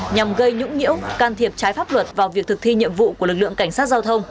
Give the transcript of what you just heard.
nhằm gây nhũng nhiễu can thiệp trái pháp luật vào việc thực thi nhiệm vụ của lực lượng cảnh sát giao thông